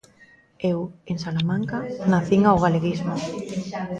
Eu, en Salamanca, nacín ao galeguismo.